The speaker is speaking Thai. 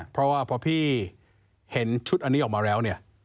เพราะว่าพอพี่เห็นชุดอันนี้ออกมาแล้วเนี่ย